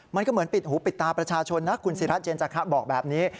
มันก็เหมือนปิดหูปิดตาประชาชนนะคุณศิราเจนจาคะบอกแบบนี้